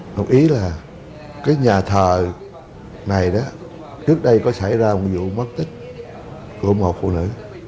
hợp ý là cái nhà thờ này đó trước đây có xảy ra một vụ mất tích của một phụ nữ